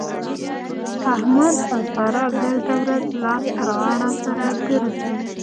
احمد او سارا ګرده ورځ لاس تر غاړه سره ګرځي.